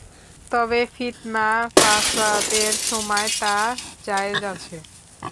তবে, ফিৎনা-ফাসাদের সময় তা জায়েয আছে।